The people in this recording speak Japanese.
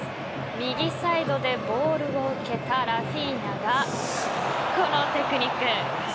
右サイドでボールを受けたラフィーニャがこのテクニック。